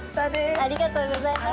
ありがとうございます。